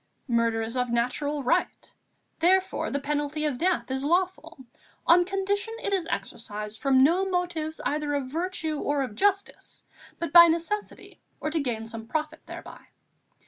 Murder is of natural right; therefore, the penalty of death is lawful, on condition it is exercised from no motives either of virtue or of justice, but by necessity or to gain some profit thereby.